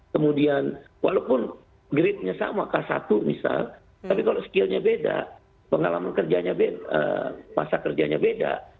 kemudian walaupun grade nya sama k satu misal tapi kalau skillnya beda pengalaman kerjanya masa kerjanya beda